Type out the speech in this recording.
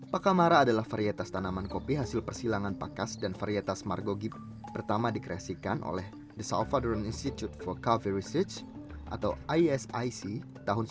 pakamara adalah varietas tanaman kopi hasil persilangan pakas dan varietas margogi pertama dikreasikan oleh the salvadoran institute for coffee research atau isic tahun seribu sembilan ratus lima puluh delapan